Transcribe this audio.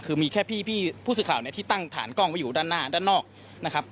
คือมีแค่พี่ผู้สื่อข่าวเนี่ยที่ตั้งฐานกล้องไว้อยู่ด้านหน้าด้านนอกนะครับ